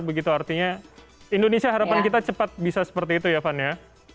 begitu artinya indonesia harapan kita cepat bisa seperti itu ya van ya